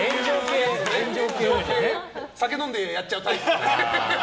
酒飲んでやっちゃうタイプね。